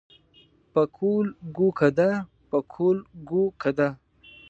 پکول ګو کده پکول ګو کده.